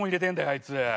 あいつ。